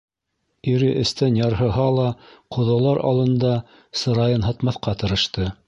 Ире, эстән ярһыһа ла, ҡоҙалар алында сырайын һытмаҫҡа тырышты.